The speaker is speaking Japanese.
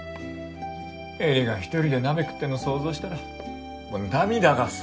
絵里が１人で鍋食ってんの想像したら俺涙がさ。